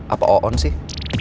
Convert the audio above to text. apa oon sih